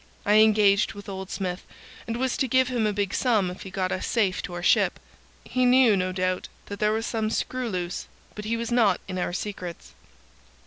I engaged with old Smith, and was to give him a big sum if he got us safe to our ship. He knew, no doubt, that there was some screw loose, but he was not in our secrets.